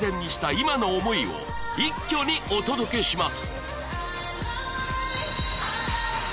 今の思いを一挙にお届けします